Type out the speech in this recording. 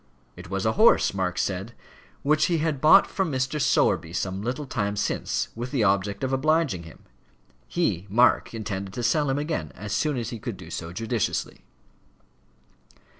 It was a horse, Mark said, "which he had bought from Mr. Sowerby some little time since with the object of obliging him. He, Mark, intended to sell him again, as soon as he could do so judiciously."